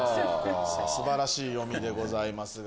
素晴らしい読みでございます。